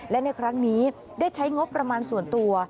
และในครั้งนี้ได้ใช้งบประมาณส่วนตัว